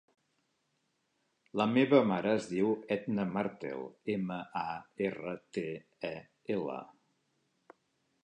La meva mare es diu Etna Martel: ema, a, erra, te, e, ela.